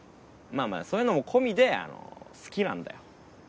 まぁまぁそういうのも込みであの好きなんだよ。